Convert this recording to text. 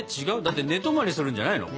だって寝泊まりするんじゃないの？